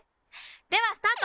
ではスタート！